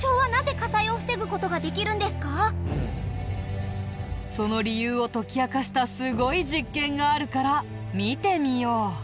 でもその理由を解き明かしたすごい実験があるから見てみよう。